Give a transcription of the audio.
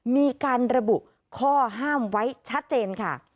มีการระบุข้อห้ามไว้ชัดเจนค่ะ